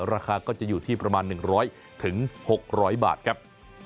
ราคาก็จะอยู่ที่ประมาณ๑๐๐๖๐๐บาทครับ